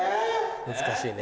難しいね。